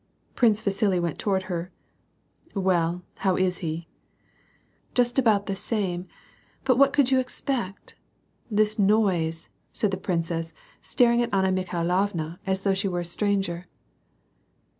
Prince Vasili went toward her :" Well, how is he ?" "Just about the same ; but what could you expect — this noise," said the princess, staring at Anna Mikhailovna as though she were a stranger.